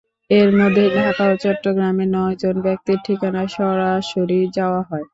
এর মধ্যে ঢাকা ও চট্টগ্রামের নয়জন ব্যক্তির ঠিকানায় সরাসরি যাওয়া হয়।